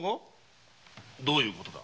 どういうことだ？